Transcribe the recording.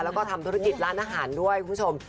แล้วก็ทำธุรกิจร้านอาหารด้วยคุณผู้ชม